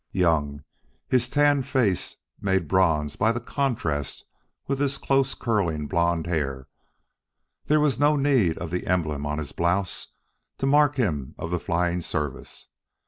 Young, his tanned face made bronze by contrast with his close curling blond hair, there was no need of the emblem on his blouse to mark him as of the flying service.